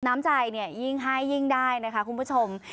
น้ำใจเนี่ยยิ่งให้ยิ่งได้นะคะคุณผู้ชม